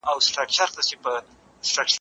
آيا ته د خپل هېواد تاريخ پېژنې؟